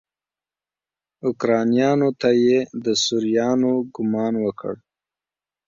اوکرانیانو ته یې د سوريانو ګمان وکړ.